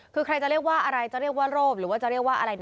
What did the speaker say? คือใครจะเรียกว่าอะไรจะเรียกว่าโรบหรือว่าจะเรียกว่าอะไร